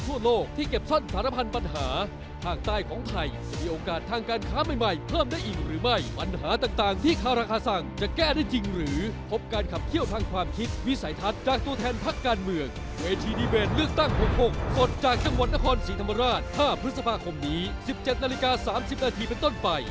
เวทีดีเบนเลือกตั้ง๖๖ต่อจากจังหวัดนครศรีธรรมราช๕พฤษภาคมนี้๑๗นาฬิกา๓๐นาทีเป็นต้นไป